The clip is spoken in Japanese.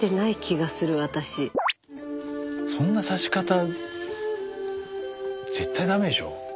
そんなさし方絶対ダメでしょ。